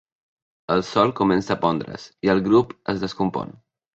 El sol comença a pondre's i el grup es descompon.